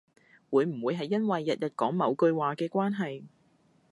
會唔會係因為日日講某句話嘅關係